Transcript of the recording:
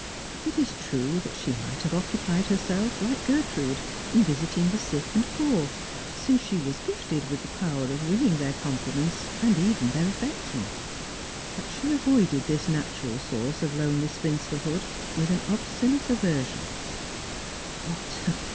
It is true that she might have occupied herself, like Gertrude, in visiting the sick and poor, since she was gifted with the power of winning their confidence and even their aifection. But she avoided this natural source of lonely spinsterhood with an obstinate aversion. What